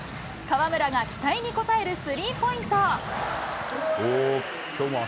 河村が期待に応えるスリーポイント。